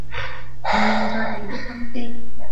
我要再畀啲心機